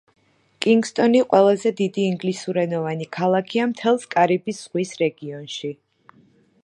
კინგსტონი ყველაზე დიდი ინგლისურენოვანი ქალაქია მთელს კარიბის ზღვის რეგიონში.